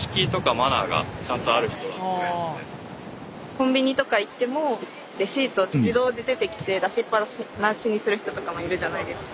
コンビニとか行ってもレシート自動で出てきて出しっぱなしにする人とかもいるじゃないですか。